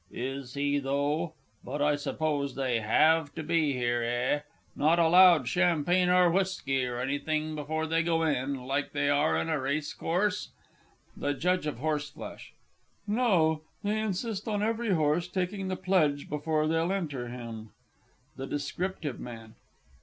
Is he, though? but I suppose they have to be here, eh? Not allowed champagne or whiskey or anything before they go in like they are on a race course? THE J. OF H. No, they insist on every horse taking the pledge before they'll enter him. THE DESCRIPTIVE MAN.